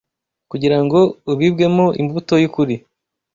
kugira ngo ubibwemo imbuto y’ukuri